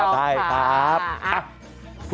ถูกต้องค่ะ